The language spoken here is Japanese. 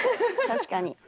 確かに。